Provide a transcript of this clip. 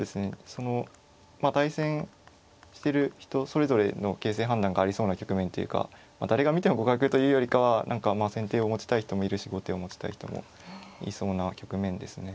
その対戦してる人それぞれの形勢判断がありそうな局面というか誰が見ても互角というよりかは何かまあ先手を持ちたい人もいるし後手を持ちたい人もいそうな局面ですね。